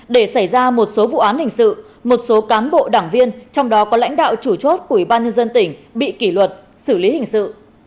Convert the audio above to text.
để xảy ra một số vụ án hình sự một số cán bộ đảng viên trong đó có lãnh đạo chủ chốt của ủy ban nhân dân tỉnh bị kỷ luật xử lý hình sự